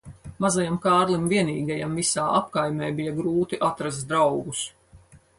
Mazajam Kārlim vienīgajam visā apkaimē bija grūti atrast draugus.